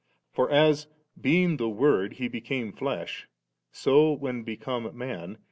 For as, being the * Word,' He ' became flesh,' so when become man.